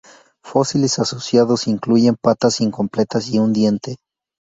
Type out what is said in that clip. Fósiles asociados incluyen patas incompletas y un diente.